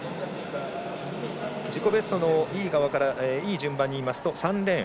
自己ベストのいい順番に言いますと３レーン